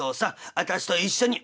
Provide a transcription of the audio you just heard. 私と一緒に」。